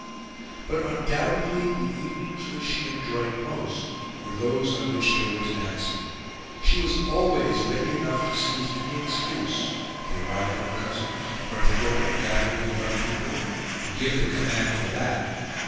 But, undoubtedly, the evenings which she enjoyed most were those on which there was dancing. She was always ready enough to seize any excuse the arrival of cousins a birthday a gathering of young people to give the command for that.